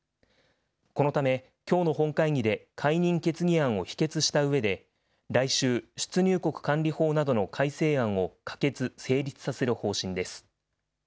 このためきょうの本会議で、解任決議案を否決したうえで、来週、出入国管理法などの改正案を可決・成立させる方針です。